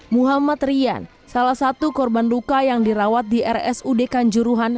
muhammad rian salah satu korban luka yang dirawat di rsud kanjuruhan